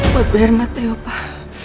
buat biaya mata ya pak